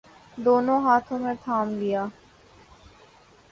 دونوں ہاتھوں میں تھام لیا۔